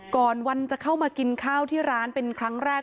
ก่อนวันจะเข้ามากินข้าวที่ร้านเป็นครั้งแรก